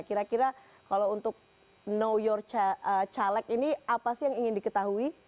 kira kira kalau untuk know your caleg ini apa sih yang ingin diketahui